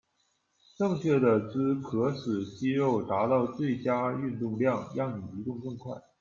正确的姿可使肌肉达到最佳运动量，让你移动更快。